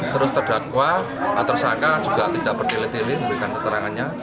terus terdakwa tersangka juga tidak bertilid tilin dengan keterangannya